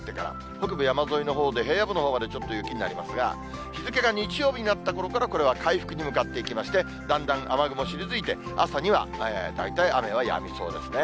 北部山沿いのほうで平野部のほうまでちょっと雪になりますが、日付が日曜日になったころから、これは回復に向かっていきまして、だんだん雨雲退いて、朝には大体雨はやみそうですね。